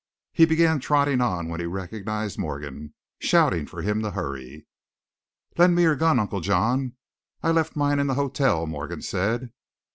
He began trotting on when he recognized Morgan, shouting for him to hurry. "Lend me your gun, Uncle John I left mine in the hotel," Morgan said.